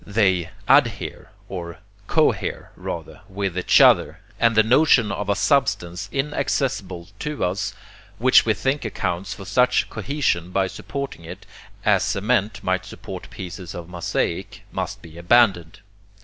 They ADhere, or COhere, rather, WITH EACH OTHER, and the notion of a substance inaccessible to us, which we think accounts for such cohesion by supporting it, as cement might support pieces of mosaic, must be abandoned.